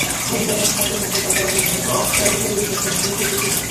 রবীন্দ্রনাথ ঠাকুরের নাটক ডাকঘর অবলম্বনে এবার চলচ্চিত্র তৈরি করছেন লুসি তৃপ্তি গোমেজ।